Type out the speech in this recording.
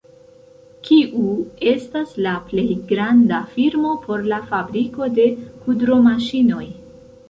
Kiu estas la plej granda firmo por la fabriko de kudromaŝinoj?